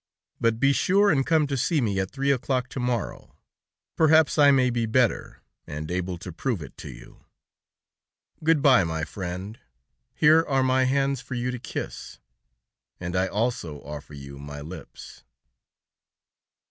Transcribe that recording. But be sure and come to see me at three o'clock to morrow; perhaps I may be better, and able to prove it to you. "Good bye, my friend; here are my hands for you to kiss, and I also offer you my lips."